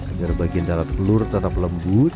agar bagian darat telur tetap lembut